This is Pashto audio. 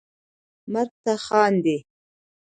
مرګ ته خاندي